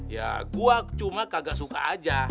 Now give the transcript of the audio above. ya gue cuma kagak suka aja